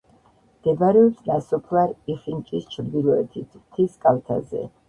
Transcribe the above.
მდებარეობს ნასოფლარ იხინჭის ჩრდილოეთით, მთის კალთაზე.